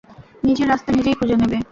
নিজের রাস্তা নিজেই খুঁজে নেবে।